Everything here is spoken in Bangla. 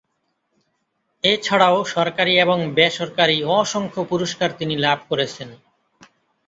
এছাড়াও সরকারি এবং বেসরকারী অসংখ্য পুরস্কার তিনি লাভ করেছেন।